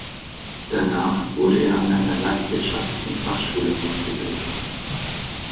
Danach wurde er an einer landwirtschaftlichen Fachschule ausgebildet.